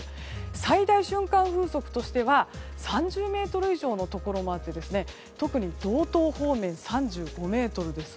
最大瞬間風速としては３０メートル以上のところもあって特に道東方面３５メートルです。